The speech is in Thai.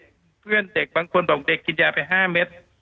กับมีเด็กเพื่อนบางคนบอกเด็กกินยาไป๕เมตร